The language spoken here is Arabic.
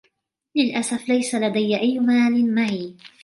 للأسف ليس لدي أي مال معي.